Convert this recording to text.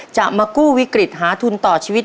จะมากู้วิกฤตหาทุนต่อชีวิต